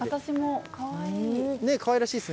かわいらしいですね。